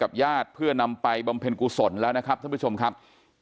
ญาติเพื่อนำไปบำเพ็ญกุศลแล้วนะครับท่านผู้ชมครับ